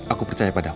aku percaya padamu